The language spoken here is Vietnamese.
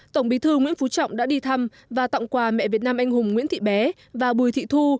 tổng bí thư nguyễn phú trọng đã đi thăm và tặng quà mẹ việt nam anh hùng nguyễn thị bé và bùi thị thu